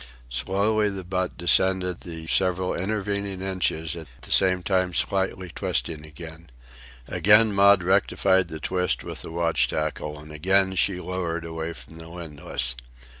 Slowly the butt descended the several intervening inches, at the same time slightly twisting again. Again Maud rectified the twist with the watch tackle, and again she lowered away from the windlass.